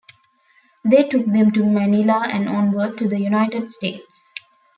They took them to Manila and onward to the United States.